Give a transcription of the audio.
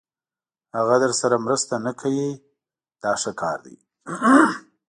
هغه درسره مرسته نه کوي دا ښه کار دی.